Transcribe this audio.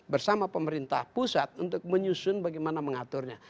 bersama pemerintah pusat untuk menyusun bagaimana mengaturnya